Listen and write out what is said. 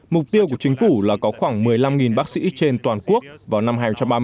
mục tiêu của chính phủ là có khoảng một mươi năm bác sĩ trên toàn quốc vào năm hai nghìn ba mươi